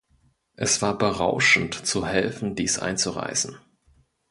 Es war berauschend, zu helfen dies einzureißen.